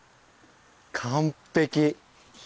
完璧。